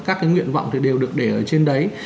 các cái nguyện vọng thì đều được để ở trên đấy